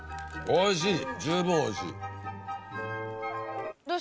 おいしい！